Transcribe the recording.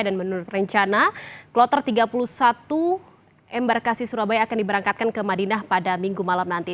dan menurut rencana klotar tiga puluh satu embarkasi surabaya akan diberangkatkan ke madinah pada minggu malam nanti